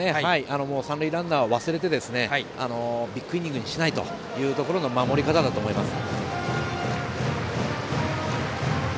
三塁ランナーは忘れてビッグイニングにしないというところが守り方だと思います。